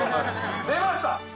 出ました！